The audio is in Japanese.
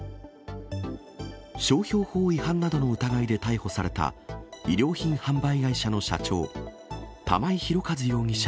商標法違反などの疑いで逮捕された、衣料品販売会社の社長、玉井宏和容疑者